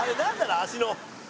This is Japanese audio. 足の。